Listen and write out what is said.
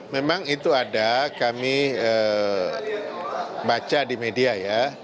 memang itu ada kami baca di media ya